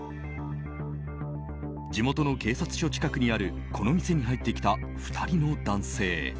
地元の警察署近くにあるこの店に入ってきた２人の男性。